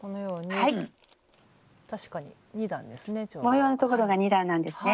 模様のところが２段なんですね。